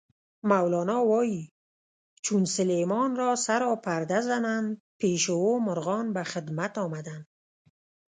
مولانا وایي: "چون سلیمان را سرا پرده زدند، پیشِ او مرغان به خدمت آمدند".